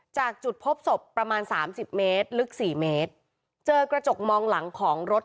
จากจุดพบศพประมาณสามสิบเมตรลึกสี่เมตรเจอกระจกมองหลังของรถ